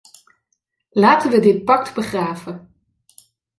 Laten we dit pact begraven!